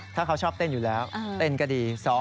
ถ้าเขาชอบเต้นอยู่แล้วเต้นก็ดี